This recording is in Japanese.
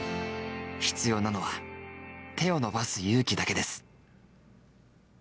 必要なのは手を伸ばす勇気だけです。